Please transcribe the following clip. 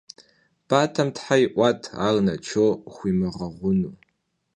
Батэм тхьэ иӀуат ар Начом хуимыгъэгъуну.